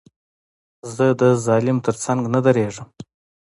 زه د ظالم تر څنګ نه درېږم.